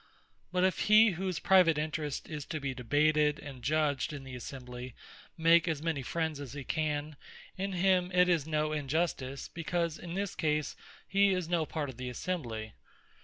But if he, whose private interest is to be debated, and judged in the Assembly, make as many friends as he can; in him it is no Injustice; because in this case he is no part of the Assembly.